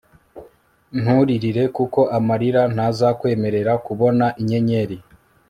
nturirire kuko amarira ntazakwemerera kubona inyenyeri